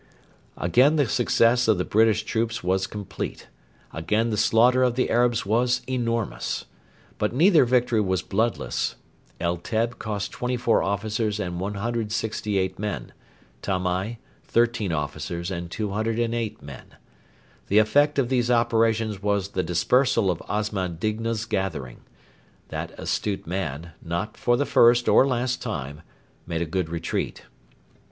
Again the success of the British troops was complete; again the slaughter of the Arabs was enormous. But neither victory was bloodless. El Teb cost 24 officers and 168 men; Tamai, 13 officers and 208 men. The effect of these operations was the dispersal of Osman Digna's gathering. That astute man, not for the first or last time, made a good retreat.